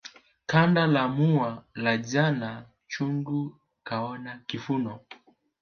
Ganda la mua la jana chungu kaona kivuno